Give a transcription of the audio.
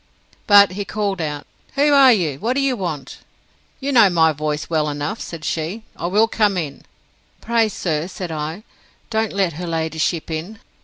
But he called out; Who are you? What do you want?—You know my voice well enough, said she:—I will come in.—Pray, sir, said I, don't let her ladyship in.